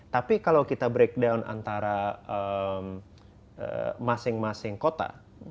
tapi kalau kita breakdown antara masing masing kota